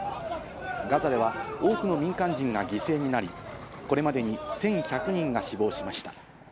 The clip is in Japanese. ガザでは多くの民間人が犠牲になり、これまでに１１００人が死亡しました。